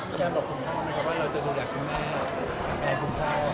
คุณอยากบอกคุณพ่อมั้ยครับว่าเราจะดูแลคุณแม่แม่คุณพ่อ